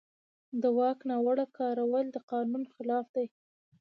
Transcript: د واک ناوړه کارول د قانون خلاف دي.